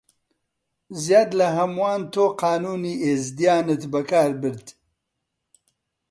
زیاد لە هەمووان تۆ قانوونی ئیزدیانت بەکار برد: